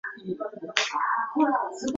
加比尼乌斯在这项指控中被判无罪。